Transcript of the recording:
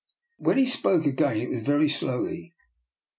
When he spoke again it was very slowly.